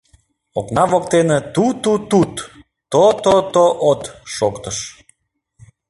Окна воктене ту-ту-тут, то-то-то-от! шоктыш.